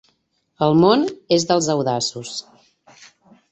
El món és dels audaços.